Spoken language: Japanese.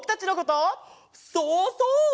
そうそう！